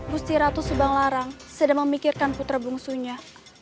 gusti ratu subang larang sedang memikirkan putra bungsunya